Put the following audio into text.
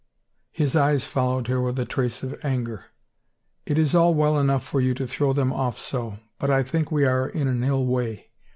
His eyes followed her with a trace of anger. " It is all well enough for you to throw them off so, but I think we are in an ill way.